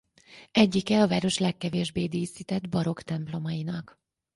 Egyike a város legkevésbbé díszített barokk templomainak.